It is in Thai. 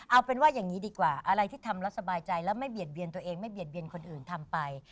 เอาเป็นว่าอย่างนี้ดีกว่าอะไรที่ทำแล้วสบายใจแล้วไม่เบียดเบียนตัวเองไม่เบียดเบียนคนอื่นทำไป